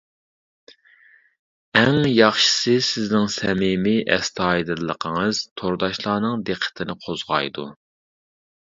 ئەڭ ياخشىسى سىزنىڭ سەمىمىي، ئەستايىدىللىقىڭىز تورداشلارنىڭ دىققىتىنى قوزغايدۇ.